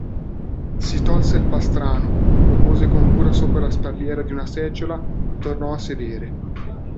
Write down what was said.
Si tolse il pastrano, lo pose con cura sopra la spalliera di una seggiola, tornò a sedere.